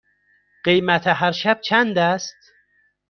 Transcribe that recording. قیمت هر شب چند است؟